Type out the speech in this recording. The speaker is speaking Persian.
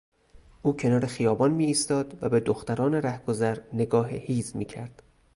او کنار خیابان میایستاد و به دختران رهگذر نگاه هیز میکرد.